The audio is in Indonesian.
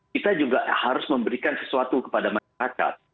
kita juga harus memberikan sesuatu kepada masyarakat